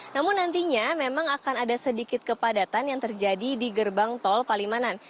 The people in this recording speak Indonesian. namun nantinya memang akan ada sedikit kepadatan yang terjadi di gerbang tol palimanan